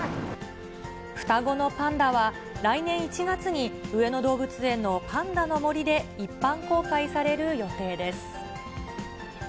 双子のパンダは、来年１月に上野動物園のパンダのもりで一般公開される予定です。